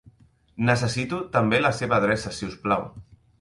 Necessito també la seva adreça si us plau.